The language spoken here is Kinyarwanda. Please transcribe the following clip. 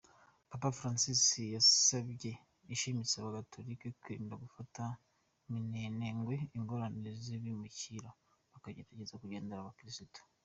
Papa Francis yasavye ashimitse abagatolika kwirinda gufata minenengwe ingorane z'abimukira, bakagerageza kugendera ubukirisu.